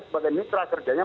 sebagai mitra kerjanya